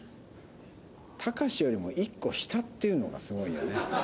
たかしよりも１個下っていうのがすごいよね。